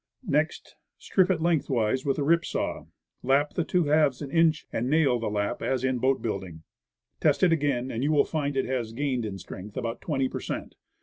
Next, strip it lengthwise with the rip saw, lap the two halves an inch, and nail the lap as in boat building. Test it again, and you will find it has gained in strength about twenty per cent.